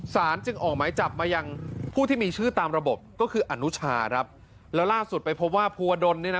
จึงออกหมายจับมายังผู้ที่มีชื่อตามระบบก็คืออนุชาครับแล้วล่าสุดไปพบว่าภูวดลเนี่ยนะ